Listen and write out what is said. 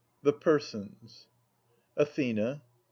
MAS THE PERSONS Athena.